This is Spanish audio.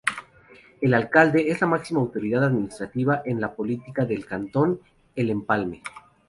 El Alcalde es la máxima autoridad administrativa y política del Cantón El Empalme.